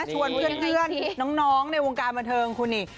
ชวนเพื่อนน้องในวงการบันเทิงคุณนี่